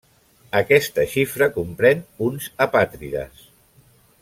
Aquesta xifra comprèn uns apàtrides.